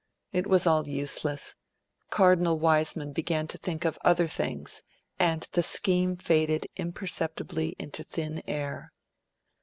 It was all useless; Cardinal Wiseman began to think of other things; and the scheme faded imperceptibly into thin air.